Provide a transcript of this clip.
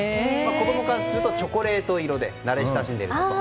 子供からするとチョコレート色で慣れ親しんでいると。